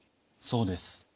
そうです。